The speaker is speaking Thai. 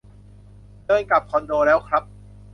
เดินกลับคอนโดแล้วครับ